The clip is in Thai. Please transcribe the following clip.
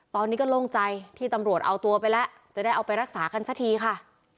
ตอนนี้ก็โล่งใจที่ตำรวจเอาตัวไปแล้วจะได้เอาไปรักษากันสักทีค่ะ